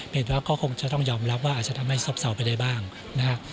เป็นผิดว่าก็คงจะต้องยอมรับว่าอาจจะทำให้สบสาวไปได้บ้างนะ